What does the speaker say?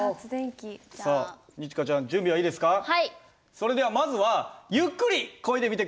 それではまずはゆっくりこいでみて下さい。